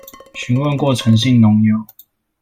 詢問過陳姓農友